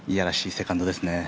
セカンドですね。